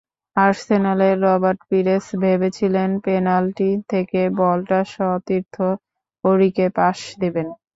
আর্সেনালের Robert Pires ভেবেছিলেন, penalty থেকে বলটা সতীর্থ অঁরিকে পাস দেবেন।